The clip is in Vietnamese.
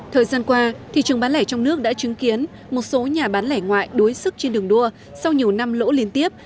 thời gian qua thị trường bán lẻ trong nước đã chứng kiến một số nhà bán lẻ ngoại đối sức trên đường đua sau nhiều năm lỗ liên tiếp